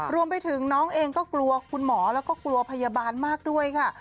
รวมไปถึงน้องเองก็กลัวคุณหมอแล้วก็กลัวพยาบาลมากด้วยค่ะ